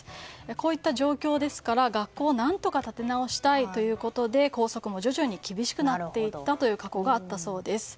こういった状況ですから学校を何とか立て直したいということで校則も徐々に厳しくなっていった過去があったそうです。